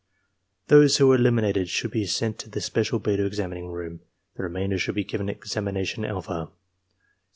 Those who are eliminated should be sent to the special beta examining room; the remainder should be given examination alpha.